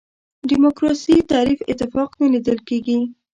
دیموکراسي تعریف اتفاق نه لیدل کېږي.